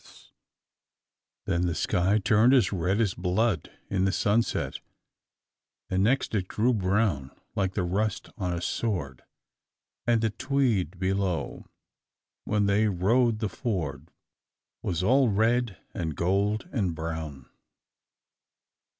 [Illustration: Page 240] Then the sky turned as red as blood, in the sunset, and next it grew brown, like the rust on a sword; and the Tweed below, when they rode the ford, was all red and gold and brown.